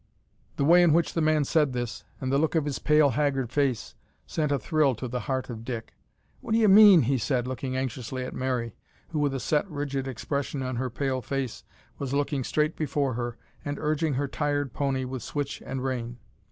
The way in which the man said this, and the look of his pale haggard face, sent a thrill to the heart of Dick. "What d'ye mean?" he said, looking anxiously at Mary, who with a set rigid expression on her pale face was looking straight before her, and urging her tired pony with switch and rein.